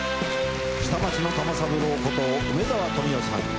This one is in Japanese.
下町の玉三郎こと梅沢富美男さん。